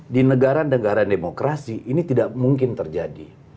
di negara negara demokrasi ini tidak mungkin terjadi